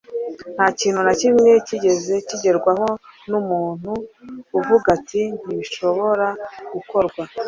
nta kintu na kimwe cyigeze kigerwaho n'umuntu uvuga ati 'ntibishobora gukorwa